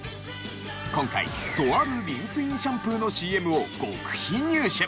今回とあるリンスインシャンプーのＣＭを極秘入手！